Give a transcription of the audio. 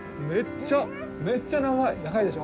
めっちゃめっちゃ長い！